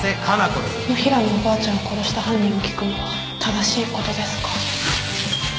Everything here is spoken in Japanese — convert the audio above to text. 野平のおばあちゃんを殺した犯人を聞くのは正しいことですか？